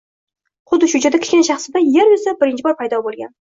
Xuddi shu joyda Kichkina shahzoda Yer yuzida birinchi bor paydo bo ‘Igan